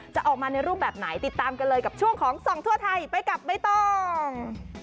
จะออกมาในรูปแบบไหนติดตามกันเลยกับช่วงของส่องทั่วไทยไปกับใบตอง